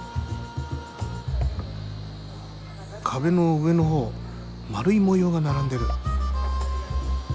壁の上の方丸い模様が並んでる。